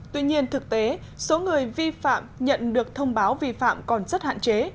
tuy nhiên thực tế số người vi phạm nhận được thông báo vi phạm còn rất hạn chế